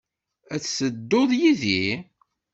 Ad tedduḍ yid-i?